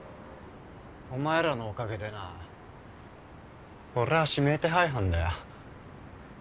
お前らのおかげでな俺は指名手配犯だよ。